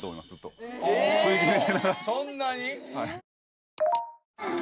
そんなに？